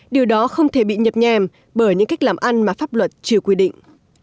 điều đó không thể bị nhập nhèm bởi những cách làm ăn mà pháp luật chưa quy định